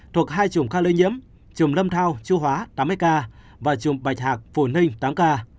thuộc hai chủng ca lây nhiễm chủng lâm thao chú hóa tám mươi ca và chủng bạch hạc phù ninh tám ca